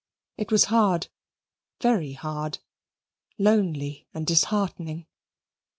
It was very hard; very hard; lonely and disheartening.